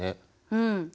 うん。